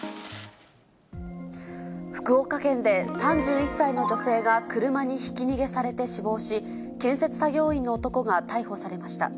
福岡県で３１歳の女性が車にひき逃げされて死亡し、建設作業員の男が逮捕されました。